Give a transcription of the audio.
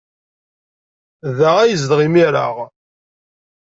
Da ay yezdeɣ imir-a.